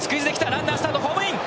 ランナースタート、ホームイン。